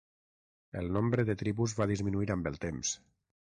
El nombre de tribus va disminuir amb el temps.